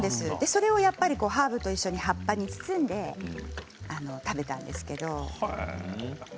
それをハーブと一緒に葉っぱに包んで食べたんですけれども。